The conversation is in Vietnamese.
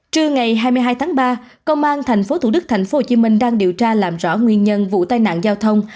trưa ngày hai mươi hai tháng ba công an tp thủ đức tp hcm đang điều tra làm rõ nguyên nhân vụ tai nạn giao thông